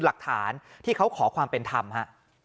หลักฐานที่เขาขอความเป็นธรรมฮะ